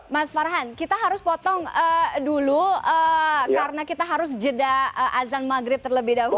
mas farhan kita harus potong dulu karena kita harus jeda azan maghrib terlebih dahulu